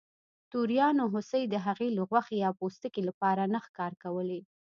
توریانو هوسۍ د هغې له غوښې یا پوستکي لپاره نه ښکار کولې.